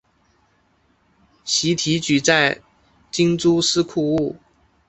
徙提举在京诸司库务。